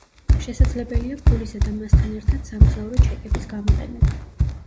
შესაძლებელია ფულისა და მასთან ერთად სამგზავრო ჩეკების გამოყენება.